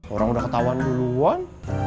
orang udah ketahuan duluan